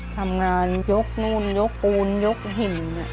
ทำงานยกนู่นยกปูนยกหิน